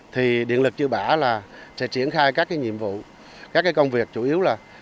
thì điện lực chư pả sẽ triển khai các nhiệm vụ các công việc chủ yếu là